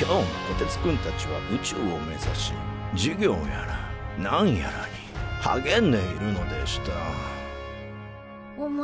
今日もこてつくんたちは宇宙を目指し授業やら何やらにはげんでいるのでしたおもしろかったね